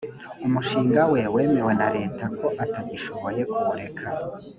umushinga we wemewe na leta ko atagishoboye kuwureka